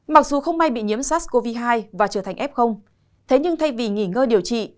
mặc dù không may bị nhiễm sars cov hai và trở thành f thế nhưng thay vì nghỉ ngơi điều trị